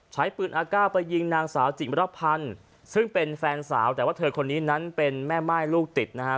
ใช้ปืนอากาศไปยิงนางสาวจิมรพันธ์ซึ่งเป็นแฟนสาวแต่ว่าเธอคนนี้นั้นเป็นแม่ม่ายลูกติดนะฮะ